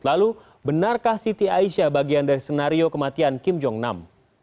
lalu benarkah siti aisyah bagian dari senario kematian kim jong nam